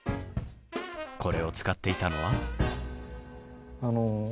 これを使っていたのは。